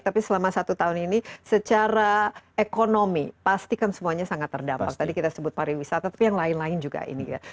tapi selama satu tahun ini secara ekonomi pasti kan semuanya sangat terdampak tadi kita sebut pariwisata tapi yang lain lain juga ini ya